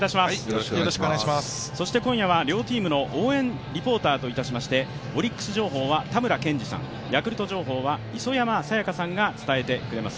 そして今夜は両チームの応援リポーターといたしましてオリックス情報はたむらけんじさん、ヤクルト情報は磯山さやかさんが伝えてくれます。